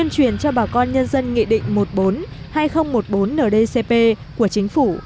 truyền cho bà con nhân dân nghị định một mươi bốn hai nghìn một mươi bốn ndcp của chính phủ